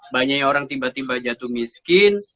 banyak orang tiba tiba jatuh miskin